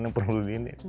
yang perlu gini